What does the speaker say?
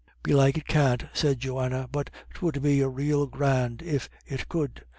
"Belike it can't," said Johanna; "but 'twould be real grand if it could.